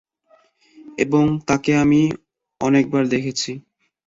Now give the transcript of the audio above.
এবং তাকে আমি অনেকবার দেখেছি।